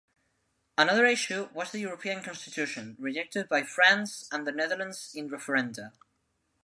Another issue was the European Constitution, rejected by France and the Netherlands in referenda.